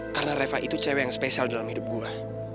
karena reva itu cewek yang spesial dalam hidup gue